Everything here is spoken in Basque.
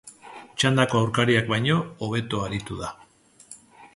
Txandako aurkariak baino hobeto aritu da.